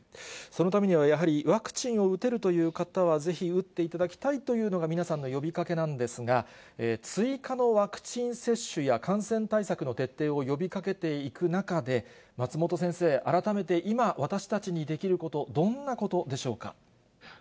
そのためには、やはりワクチンを打てるという方はぜひ打っていただきたいというのが皆さんの呼びかけなんですが、追加のワクチン接種や感染対策の徹底を呼びかけていく中で、松本先生、改めて今、私たちにできること、どんなことでしょうか。